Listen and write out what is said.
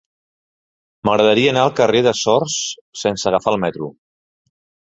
M'agradaria anar al carrer de Sors sense agafar el metro.